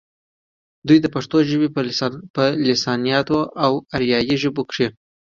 دوي د پښتو ژبې پۀ لسانياتو او اريائي ژبو کښې